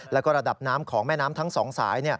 แล้วก็ระดับน้ำของแม่น้ำทั้งสองสาย